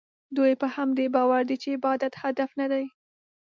دوی په همدې باور دي چې عبادت هدف نه دی.